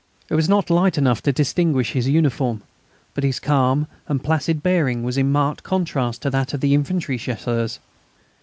It was not light enough to distinguish his uniform, but his calm and placid bearing was in marked contrast to that of the infantry Chasseurs.